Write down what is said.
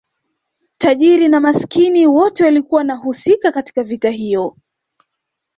tajiri na masikini wote walikuwa wanahusika katika vita hiyo